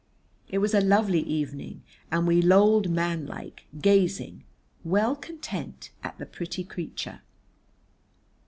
It was a lovely evening, and we lolled manlike, gazing, well content, at the pretty creature.